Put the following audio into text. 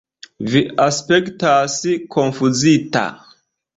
Vi aspektas konfuzita.